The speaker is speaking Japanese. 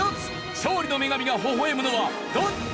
勝利の女神がほほ笑むのはどっちだ！？